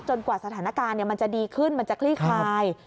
กว่าสถานการณ์มันจะดีขึ้นมันจะคลี่คลาย